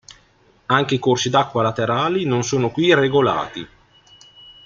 Anche i corsi d'acqua laterali non sono qui regolati.